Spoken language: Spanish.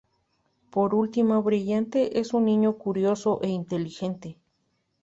Por último, Brillante es un niño curioso e inteligente.